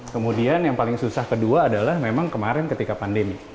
kemudian yang paling susah kedua adalah memang kemarin ketika pandemi